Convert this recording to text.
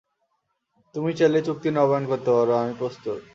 তুমি চাইলে চুক্তি নবায়ন করতে পার আমি প্রস্তুত।